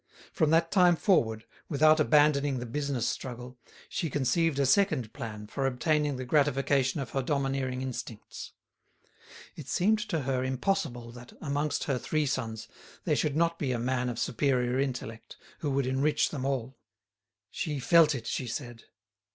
From that time forward, without abandoning the business struggle, she conceived a second plan for obtaining the gratification of her domineering instincts. It seemed to her impossible that, amongst her three sons, there should not be a man of superior intellect, who would enrich them all. She felt it, she said.